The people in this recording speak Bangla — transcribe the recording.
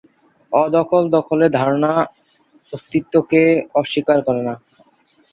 অ-দখল দখলের ধারণার অস্তিত্বকে অস্বীকার করে না।